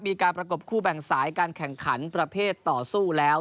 มีการประกบคู่แบ่งสายการแข่งขันประเภทต่อสู้แล้ว